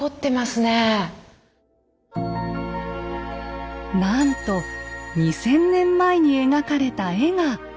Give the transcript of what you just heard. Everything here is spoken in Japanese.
なんと２，０００年前に描かれた絵が残っていました。